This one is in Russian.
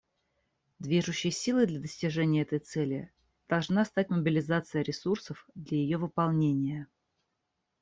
Движущей силой для достижения этой цели должна стать мобилизация ресурсов для ее выполнения.